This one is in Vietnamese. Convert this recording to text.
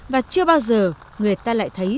và chưa bao giờ người ta lại thấy